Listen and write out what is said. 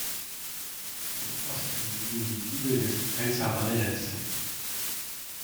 Im Osten liegen die Hügel des Pfälzerwaldes.